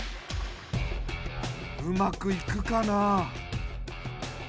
うまくいくかな？